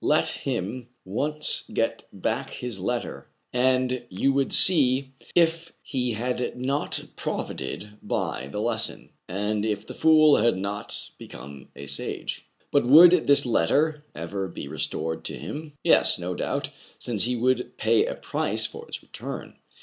Let him once get back his letter, and you would see if he had not profited by the lesson, and if the fool had not be come a sage. But would this letter ever be restored to him 1 Yes, no doubt, since he would pay a price for its return.